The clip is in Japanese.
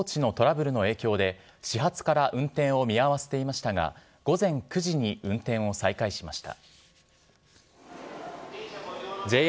山手線は、信号装置のトラブルの影響で、始発から運転を見合わせていましたが、午前９時に運転を再開しました。